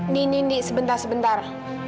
nini nini sebentar sebentar